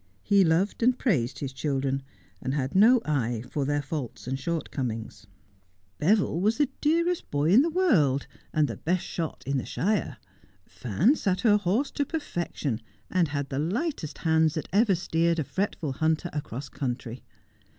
He loved and praised his children, and had no eye for their faults and shortcomings. Beville was the dearest boy in the world, and the best shot in Blatchmardean Castle. 123 the shire; Fan sat her horse to perfection, and had the lightest hands that ever steered a fretful hunter across country.